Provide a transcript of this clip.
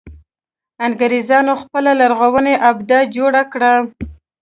انګرېزانو خپله لرغونې آبده جوړه کړه.